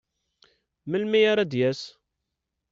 Melmi ara d-yas?